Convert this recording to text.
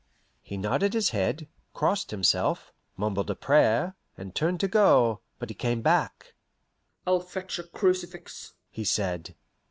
He nodded his head, crossed himself, mumbled a prayer, and turned to go, but came back. "I'll fetch a crucifix," he said.